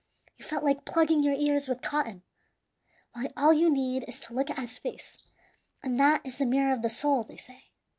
You felt like plugging your ears with cotton. Why, all you need is to look at his face, and that is the mirror of the soul, they say.